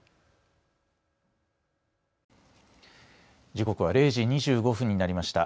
時刻は０時２５分になりました。